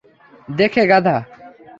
দেখে, গাধা।